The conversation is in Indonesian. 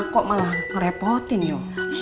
kok malah ngerepotin yuk